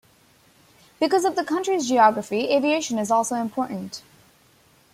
Because of the country's geography, aviation is also important.